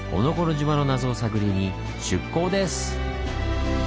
島の謎を探りに出航です！